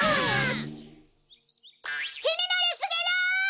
きになりすぎる！